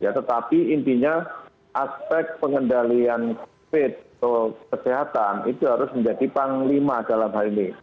ya tetapi intinya aspek pengendalian covid atau kesehatan itu harus menjadi panglima dalam hal ini